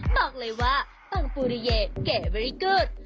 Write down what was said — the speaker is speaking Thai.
บอกเลยว่าต้องปุริเย่เก่วิริกู๊ด